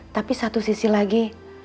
tapi satu sisi lagi